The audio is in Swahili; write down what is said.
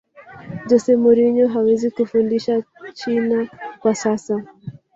jose mourinho hawezi kufundisha china kwa sasa